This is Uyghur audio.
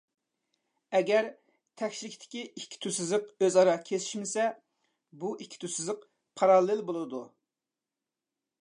ئەگەر تەكشىلىكتىكى ئىككى تۈز سىزىق ئۆزئارا كېسىشمىسە، بۇ ئىككى تۈز سىزىق پاراللېل بولىدۇ.